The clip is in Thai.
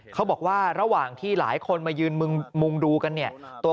เขาบอกว่าระหว่างที่หลายคนมายืนมุงดูกันเนี่ย